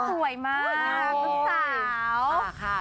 ตัวจริงสวยมากสาว